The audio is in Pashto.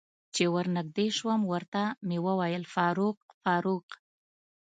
چې ور نږدې شوم ورته مې وویل: فاروق، فاروق.